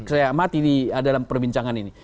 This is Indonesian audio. saya amati di dalam perbincangan ini